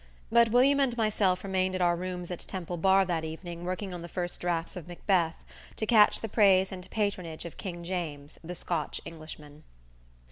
But William and myself remained at our rooms at Temple Bar that evening working on the first draughts of "Macbeth" to catch the praise and patronage of King James, the Scotch Englishman.